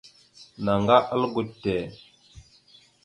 Naŋga algo te.